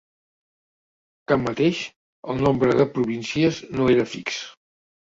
Tanmateix, el nombre de províncies no era fix.